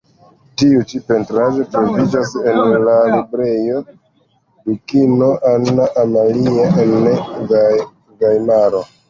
Tiu ĉi pentraĵo troviĝas en la Librejo Dukino Anna Amalia en Vajmaro.